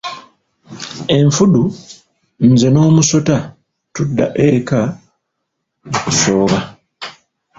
Enfudu, Nze n'omusota tudda ekka mu kasoobo.